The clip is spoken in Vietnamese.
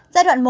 giai đoạn một